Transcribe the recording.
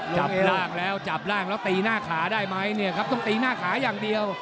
จับร่างแล้วตีหน้าขาได้ไหมครับตีหน้าขาอย่างเดียว